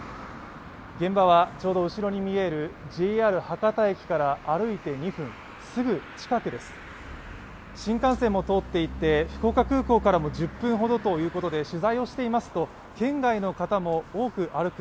現場はちょうど後ろに見えるＪＲ博多駅から歩いて２分すぐ近くです、新幹線も通っていて、福岡空港からも１０分ほどということで取材をしていますと、県外の方も多く歩く